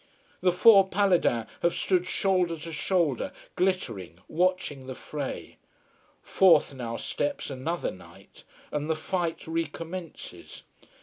The four Paladins have stood shoulder to shoulder, glittering, watching the fray. Forth now steps another knight, and the fight recommences.